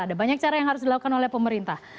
ada banyak cara yang harus dilakukan oleh pemerintah